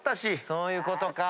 そういうことか。